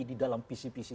di dalam visi visi